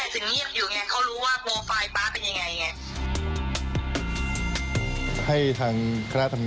สวัสดีครับทุกคน